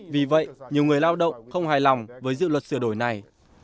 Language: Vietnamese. vì vậy nhiều người lao động không hài lòng với dự luật sửa đổi này